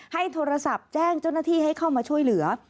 โทรศัพท์แจ้งเจ้าหน้าที่ให้เข้ามาช่วยเหลือ